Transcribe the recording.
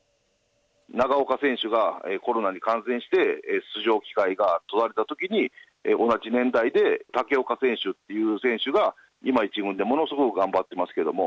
長岡選手がコロナに感染して出場機会が閉ざされた時に同じ年代で、武岡選手っていう選手が今、１軍でものすごく頑張っていますけども。